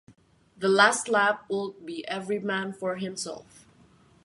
The last lap would be every man for himself.